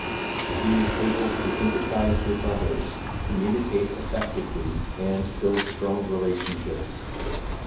He is able to empathize with others, communicate effectively, and build strong relationships.